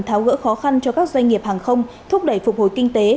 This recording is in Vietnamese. tháo gỡ khó khăn cho các doanh nghiệp hàng không thúc đẩy phục hồi kinh tế